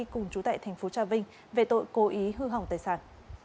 cùng chú tại tp trà vinh về tội cố ý hư hỏng tài sản